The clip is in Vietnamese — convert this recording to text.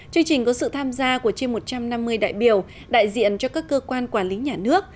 chương trình có sự tham gia của trên một trăm năm mươi đại biểu đại diện cho các cơ quan quản lý nhà nước